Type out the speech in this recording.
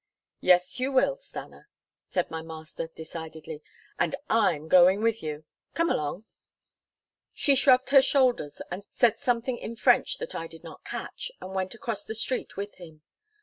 "Yes, you will, Stanna," said my master decidedly, "and I'm going with you. Come along." She shrugged her shoulders, said something in French that I did not catch, and went across the street with him.